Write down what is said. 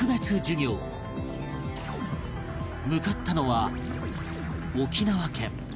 向かったのは沖縄県